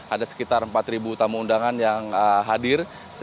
ada sekitar empat tamu undangan yang hadir